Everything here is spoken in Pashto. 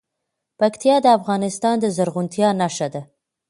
پکتیا د افغانستان د زرغونتیا نښه ده.